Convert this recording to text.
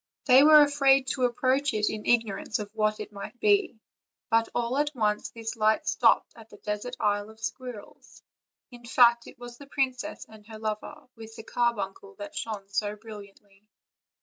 They were afraid to approach it in ignorance of what it might be; but all at once this light stopped at the desert Isle of Squirrels; in fact, it was the princess and her lover, with the carbuncle that shone so brilliantly.